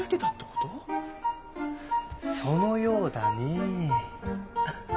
そのようだねえ。